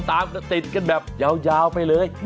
ติดกันแบบยาวไปเลย